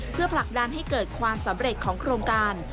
เพื่อผลักดันให้เกิดความสำเร็จของโครงการ